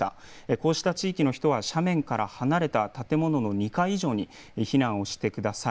こうした地域の人は斜面から離れた建物の２階以上に避難をしてください。